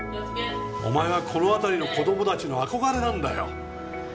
お前はこの辺りの子供達の憧れなんだよ